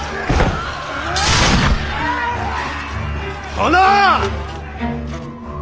殿！